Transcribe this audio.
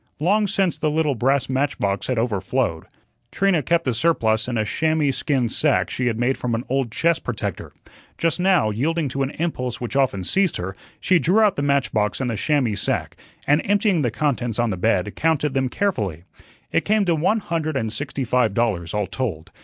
Long since the little brass match box had overflowed. Trina kept the surplus in a chamois skin sack she had made from an old chest protector. Just now, yielding to an impulse which often seized her, she drew out the match box and the chamois sack, and emptying the contents on the bed, counted them carefully. It came to one hundred and sixty five dollars, all told.